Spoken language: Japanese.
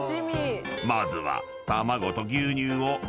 ［まずは］